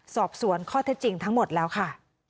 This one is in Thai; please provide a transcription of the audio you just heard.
สอบสวนข้อเท็จจริงทั้งหมดแล้วค่ะ